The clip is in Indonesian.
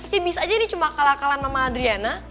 ya bisa aja ini cuma akal akalan mama adrian